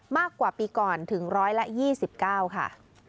มากกว่าปีก่อนถึง๑๒๙ค่ะ